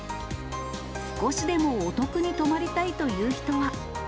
少しでもお得に泊まりたいという人は。